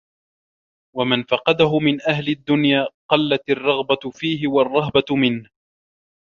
وَمَنْ فَقَدَهُ مِنْ أَهْلِ الدُّنْيَا قَلَّتْ الرَّغْبَةُ فِيهِ وَالرَّهْبَةُ مِنْهُ